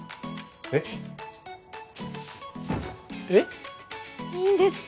えっ？えっ？いいんですか？